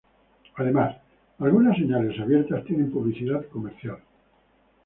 Además, algunas señales abiertas tienen publicidad comercial.